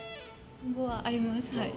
願望はあります。